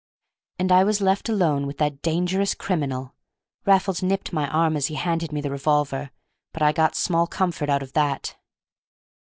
And I was left alone with that dangerous criminal! Raffles nipped my arm as he handed me the revolver, but I got small comfort out of that.